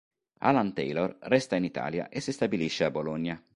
Alan Taylor resta in Italia e si stabilisce a Bologna.